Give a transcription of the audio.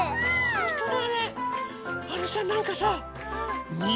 ほんとだ！